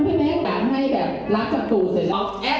สุดท้ายก็ไม่มีเวลาที่จะรักกับที่อยู่ในภูมิหน้า